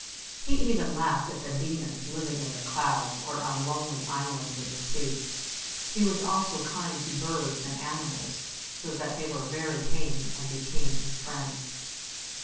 He even laughed at the demons living in the clouds or on lonely islands in the sea. He was also kind to birds and animals, so that they were very tame, and became his friends.